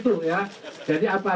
satu langkah maju pak